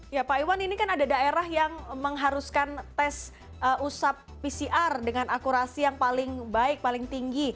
ya pak iwan ini kan ada daerah yang mengharuskan tes usap pcr dengan akurasi yang paling baik paling tinggi